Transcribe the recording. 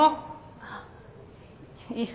あっいや。